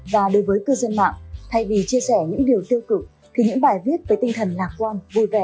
và đối với cư dân mạng thay vì chia sẻ những điều tiêu cực thì những bài viết với tinh thần lạc quan vui vẻ